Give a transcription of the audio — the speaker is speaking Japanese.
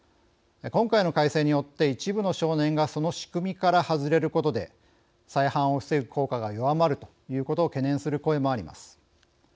今回の改正によって一部の少年がその仕組みから外れることで再犯を防ぐ効果が弱まるということを懸念する声もあります。